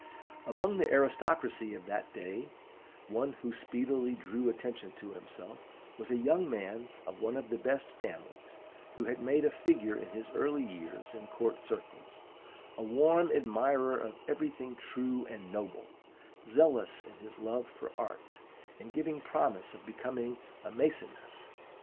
"Among the aristocracy of that day, one who speedily drew attention to himself was a young man of one of the best families who had made a figure in his early years in court circles, a warm admirer of everything true and noble, zealous in his love for art, and giving promise of becoming a Maecenas.